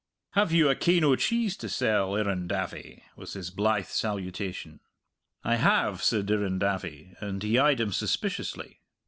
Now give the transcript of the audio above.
"Have you a kane o' cheese to sell, Irrendavie?" was his blithe salutation. "I have," said Irrendavie, and he eyed him suspiciously.